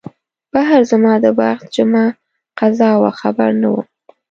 بهر زما د بخت جمعه قضا وه خبر نه وم